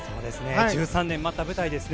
１３年待った舞台ですね。